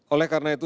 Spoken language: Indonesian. oleh karena itu